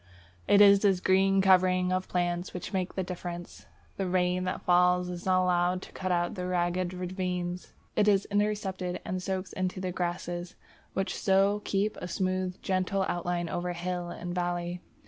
It is this green covering of plants which makes the difference. The rain that falls is not allowed to cut out ragged ravines; it is intercepted and soaks into the grasses, which so keep a smooth, gentle outline over hill and valley.